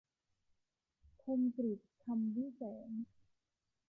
คมกฤษ คำวิแสง